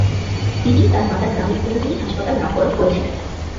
তিনি তার মাতার নামে "কুমুদিনী হাসপাতাল" নামকরণ করেছিলেন।